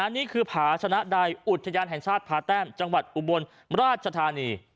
นี่คือผาชนะใดอุทยานแห่งชาติผาแต้มจังหวัดอุบลราชธานี